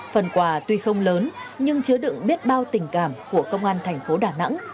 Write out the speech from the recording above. và tuy không lớn nhưng chứa đựng biết bao tình cảm của công an thành phố đà nẵng